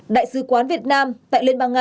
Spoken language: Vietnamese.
đại sứ quán việt nam tại romania